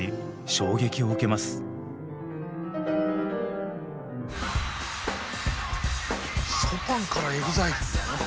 ショパンからＥＸＩＬＥ！